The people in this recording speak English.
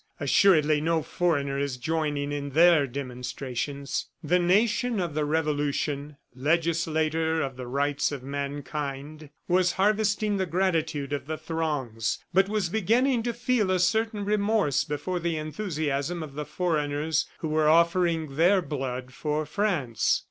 Assuredly no foreigner is joining in their demonstrations." The nation of the Revolution, legislator of the rights of mankind, was harvesting the gratitude of the throngs, but was beginning to feel a certain remorse before the enthusiasm of the foreigners who were offering their blood for France.